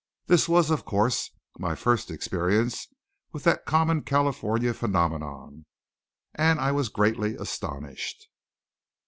This was of course my first experience with that common California phenomenon, and I was greatly astonished.